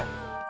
emang mudah sih